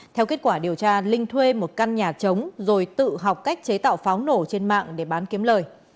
theo kết quả điều tra linh thuê một căn nhà trống rồi tự học cách chế tạo pháo nổ trên mạng để bán kiếm lời